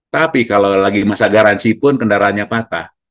tapi kalau lagi masa garansi pun kendaraannya patah